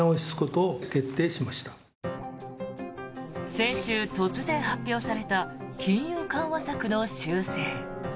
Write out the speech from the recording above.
先週、突然発表された金融緩和策の修正。